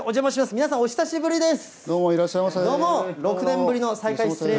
皆さんお久しぶりです。